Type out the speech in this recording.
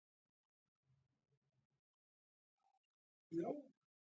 درواغجن ګړ او له فرېبه ډک کړ سیاست دی.